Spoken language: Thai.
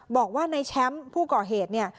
บอกว่าในแชมป์ผู้ก่อเหตุเนี่ย